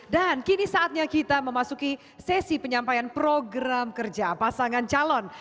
dan kini saatnya kita memasuki sesi penyampaian program kerja pasangan calon